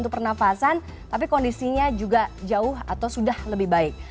untuk pernafasan tapi kondisinya juga jauh atau sudah lebih baik